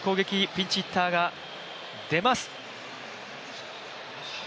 ピンチヒッターが出ます。